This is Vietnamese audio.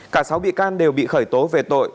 cả sáu bị can đều bị khởi tố về tội